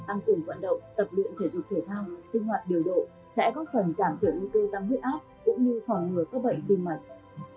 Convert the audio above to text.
ăn tuổi vận động tập luyện thể dục thể thao sinh hoạt điều độ sẽ góp phần giảm thưởng nguy cơ tăng huyết áp cũng như khỏi ngừa các bệnh viên mạch